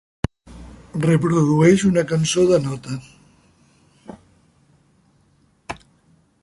Reprodueix una cançó de Nóta